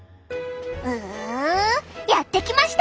うやって来ました！